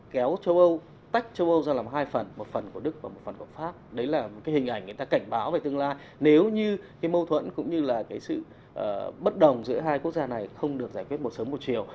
kéo châu âu tách châu âu ra làm hai phần một phần của đức và một phần của pháp đấy là cái hình ảnh người ta cảnh báo về tương lai nếu như cái mâu thuẫn cũng như là cái sự bất đồng giữa hai quốc gia này không được giải quyết một sớm một chiều